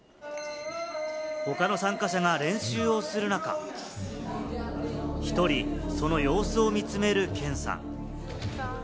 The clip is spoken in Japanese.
他の参加者が練習をする中、１人その様子を見つめるケンさん。